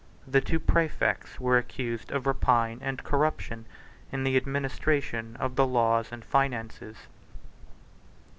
The two præfects were accused of rapine and corruption in the administration of the laws and finances.